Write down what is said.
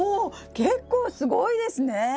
結構すごいですね！